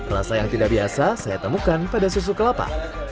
rasa yang tidak biasa saya temukan pada susu kelapa